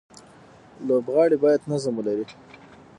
لوبغاړي باید نظم ولري.